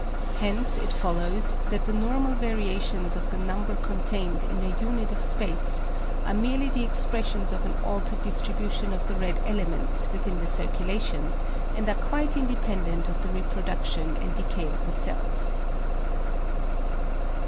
Hence it follows, that the normal variations of the number contained in a unit of space are merely the expressions of an altered distribution of the red elements within the circulation, and are quite independent of the reproduction and decay of the cells.